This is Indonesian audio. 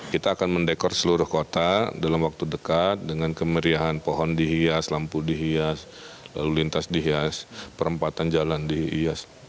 kita akan mendekor seluruh kota dalam waktu dekat dengan kemeriahan pohon dihias lampu dihias lalu lintas dihias perempatan jalan dihias